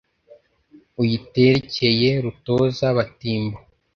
uyiterekeye rutoza-batimbo